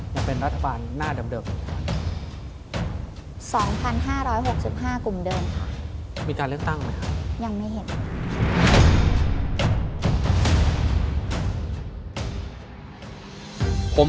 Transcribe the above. ๒๕๖๕ยังเป็นรัฐบาลหน้าเดิม